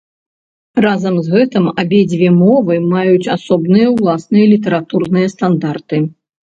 Разам з гэтым абедзве мовы маюць асобныя ўласныя літаратурныя стандарты.